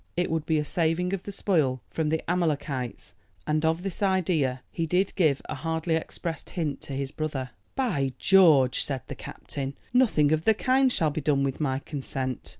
It would be a saving of the spoil from the Amalekites, and of this idea he did give a hardly expressed hint to his brother. "By George," said the captain, "nothing of the kind shall be done with my consent."